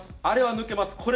あれは抜けます